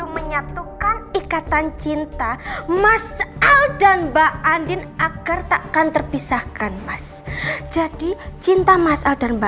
yang menyatukan ikatan cinta mas al dan bak handin agar takkan terpisahkan mas